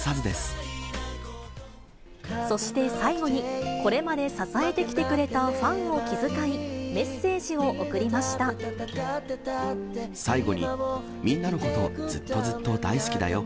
そして最後に、これまで支えてきてくれたファンを気遣い、メッセージを送りまし最後に、みんなのこと、ずっとずっと大好きだよ。